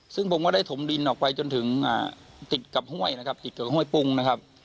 ซึ่งผมก็ได้ถมดินออกไปจนถึงติดกับห้วยนะครับติดกับห้วยปรุงนะครับ